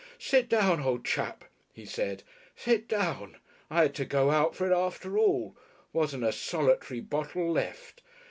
"Sit down, old chap," he said, "sit down. I had to go out for it after all. Wasn't a solitary bottle left.